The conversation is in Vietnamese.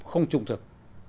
không trung thực